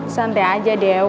santai aja dew